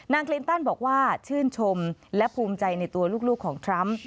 คลินตันบอกว่าชื่นชมและภูมิใจในตัวลูกของทรัมป์